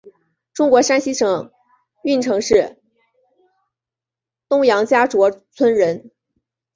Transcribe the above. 中国山西省运城市东杨家卓村人。